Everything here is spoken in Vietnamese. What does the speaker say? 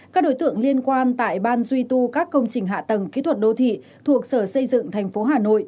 các đối tượng liên quan tại ban duy tu các công trình hạ tầng kỹ thuật đô thị thuộc sở xây dựng thành phố hà nội